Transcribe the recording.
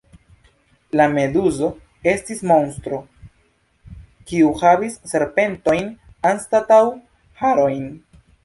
La Meduzo estis monstro, kiu havis serpentojn anstataŭ harojn.